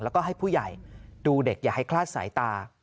แล้วก็ให้ผู้ใหญ่ดูเด็กอย่าให้คลาดสายตา